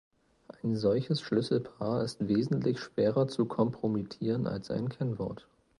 Ein solches Schlüsselpaar ist wesentlich schwerer zu kompromittieren als ein Kennwort.